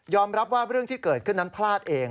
รับว่าเรื่องที่เกิดขึ้นนั้นพลาดเอง